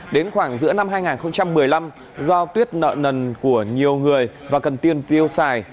đến khoảng giữa năm hai nghìn một mươi năm do tuyết nợ nần của nhiều người và cần tiền tiêu xài